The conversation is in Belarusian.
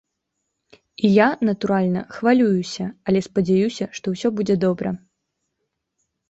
І я, натуральна, хвалююся, але спадзяюся, што ўсё будзе добра.